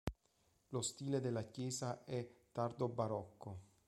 Lo stile della chiesa è tardobarocco.